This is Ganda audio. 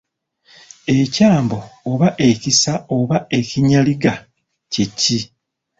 Ekyambo oba ekisi oba ekinyaligga kye ki?